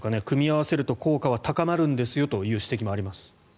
組み合わせると効果は高まるんですよという指摘もあります。